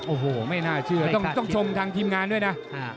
โอ้โหไม่น่าเชื่อต้องชมทางทีมงานด้วยนะ